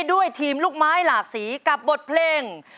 ด้วยทีมลูกไม้หลากสีกับบทเพลง